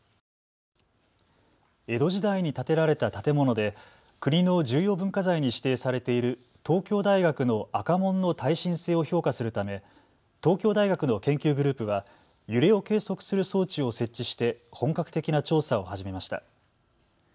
江戸時代に建てられた建物で国の重要文化財に指定されている東京大学の赤門の耐震性を評価するため東京大学の研究グループは揺れを計測する装置を設置して本格的な調査を始めました。